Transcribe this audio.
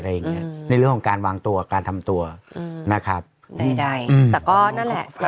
อะไรอย่างเงี้ยในเรื่องของการวางตัวการทำตัวนะครับได้แต่ก็นั่นแหละ